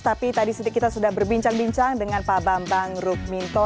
tapi tadi kita sudah berbincang bincang dengan pak bambang rukminto